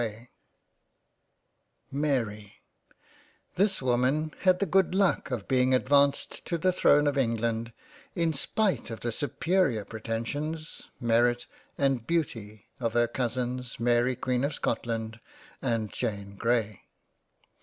90 J THE HISTORY OF ENGLAND £ MARY THIS woman had the good luck of being advanced to the throne of England, in spite of the superior pretensions, Merit, and Beauty of her Cousins Mary Queen of Scotland and Jane Grey.